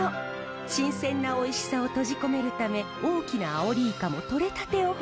新鮮なおいしさを閉じ込めるため大きなアオリイカもとれたてを干すのです。